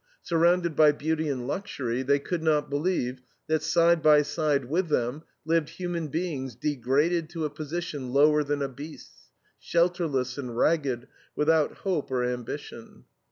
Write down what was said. Surrounded by beauty and luxury, they could not believe that side by side with them lived human beings degraded to a position lower than a beast's, shelterless and ragged, without hope or ambition.